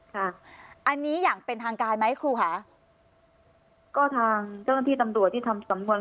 ค่ะอันนี้อย่างเป็นทางการไหมครูค่ะก็ทางเจ้าหน้าที่ตำรวจที่ทำสำนวน